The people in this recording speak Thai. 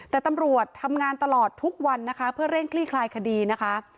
แต่ตำรวจทำงานตลอดทุกวันนะคะเพื่อเร่งคลี่คลายคดีนะคะ